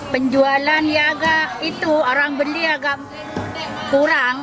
penjualan niaga itu orang beli agak kurang